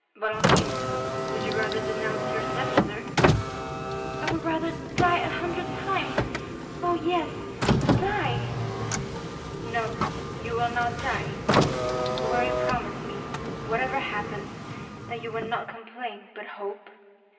"Valentine, would you rather denounce your stepmother?" "I would rather die a hundred times—oh, yes, die!" "No, you will not die; but will you promise me, whatever happens, that you will not complain, but hope?"